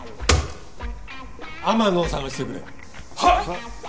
天野を捜してくれはい！